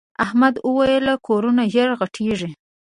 احمد وويل: کورونه ژر غټېږي.